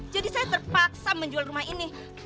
jadi saya terpaksa menjual rumah ini